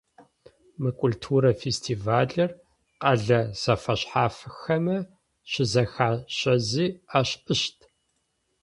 Мы культурэ фестивалыр къэлэ зэфэшъхьафхэмэ щызэхащэзи ашӏыщт.